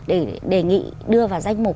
để đề nghị đưa vào danh mục